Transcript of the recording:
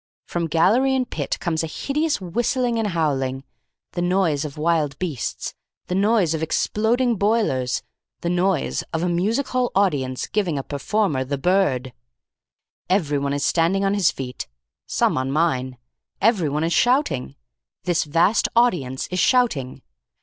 "From gallery and pit comes a hideous whistling and howling. The noise of wild beasts. The noise of exploding boilers. The noise of a music hall audience giving a performer the bird. "Everyone is standing on his feet. Some on mine. Everyone is shouting. This vast audience is shouting.